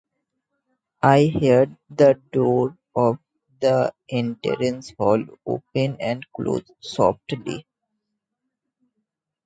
I heard the door of the entrance hall open and close softly.